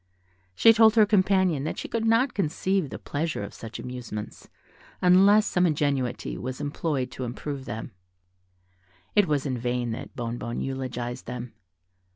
She told her companion that she could not conceive the pleasure of such amusements, unless some ingenuity was employed to improve them: it was in vain that Bonnebonne eulogized them.